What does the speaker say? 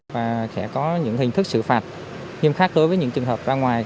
và sẽ có những hình thức xử phạt nghiêm khắc đối với những trường hợp ra ngoài